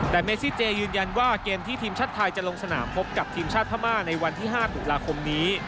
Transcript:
แต่เมซิเจยืนยันว่าเกมที่ทีมชาติไทยจะลงสนามพบกับทีมชาติพม่าในวันที่๕ตุลาคมนี้